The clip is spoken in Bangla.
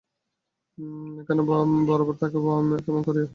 এখানে বরাবর থাকিব কেমন করিয়া।